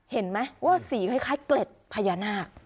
เห็นไหมว่าสีคล้ายเกล็ดพญานาค